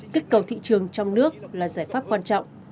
kích cầu thị trường trong nước là giải pháp quan trọng